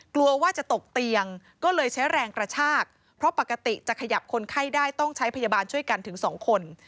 กลัวว่าจะตกเตียงก็เลยใช้แรงกระชากเพราะปกติจะขยับคนไข้ได้ต้องใช้พยาบาลช่วยกันถึงสองคน